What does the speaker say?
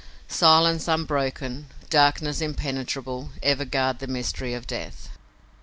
Silence unbroken, darkness impenetrable ever guard the mystery of death.